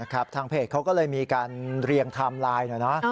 ทางเพจเขาก็เลยมีการเรียงไทม์ไลน์หน่อยนะ